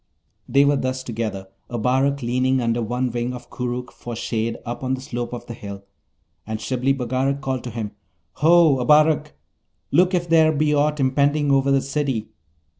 They were thus together, Abarak leaning under one wing of Koorookh for shade up the slope of the hill, and Shibli Bagarag called to him, 'Ho, Abarak! look if there be aught impending over the City.'